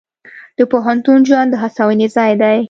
د پوهنتون ژوند د هڅونې ځای دی.